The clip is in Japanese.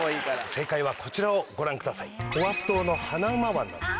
正解はこちらをご覧ください。